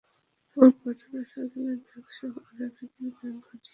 এমন ঘটনা শাহজালাল ব্যাংকসহ আরও একাধিক ব্যাংক ঘটিয়েছিল বছর কয়েক আগে।